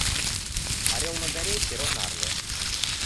Орел на горе, перо на орле.